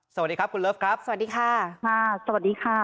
สวัสดีครับคุณเลิฟครับสวัสดีค่ะ